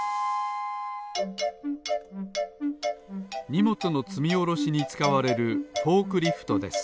にもつのつみおろしにつかわれるフォークリフトです。